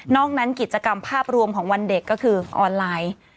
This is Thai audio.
อกนั้นกิจกรรมภาพรวมของวันเด็กก็คือออนไลน์